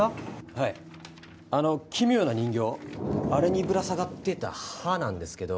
はいあの奇妙な人形あれにぶら下がっていた歯なんですけど